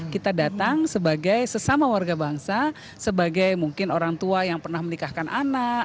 kita datang sebagai sesama warga bangsa sebagai mungkin orang tua yang pernah menikahkan anak